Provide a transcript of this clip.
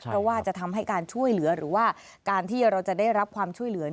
เพราะว่าจะทำให้การช่วยเหลือหรือว่าการที่เราจะได้รับความช่วยเหลือ